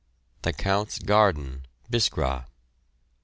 THE COUNT'S GARDEN, BISKRA.